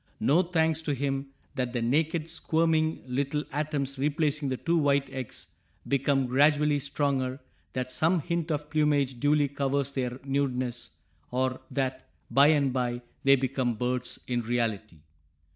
No thanks to him that the naked, squirming little atoms replacing the two white eggs become gradually stronger, that some hint of plumage duly covers their nudeness, or that bye and bye they become birds in reality.